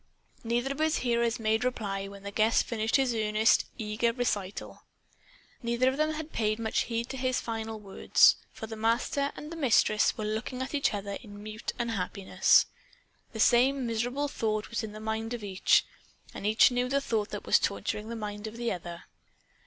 Neither of his hearers made reply when the guest finished his earnest, eager recital. Neither of them had paid much heed to his final words. For the Master and the Mistress were looking at each other in mute unhappiness. The same miserable thought was in the mind of each. And each knew the thought that was torturing the mind of the other.